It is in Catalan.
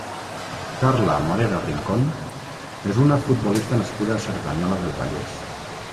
Carla Morera Rincón és una futbolista nascuda a Cerdanyola del Vallès.